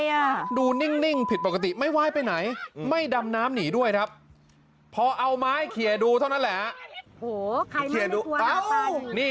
เหมือนแต่ถามว่าเอ้าใครมาเล่นพี่เลน